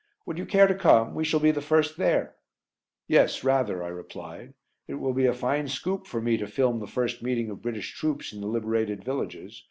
Would you care to come? We shall be the first there." "Yes, rather," I replied. "It will be a fine scoop for me to film the first meeting of British troops in the liberated villages.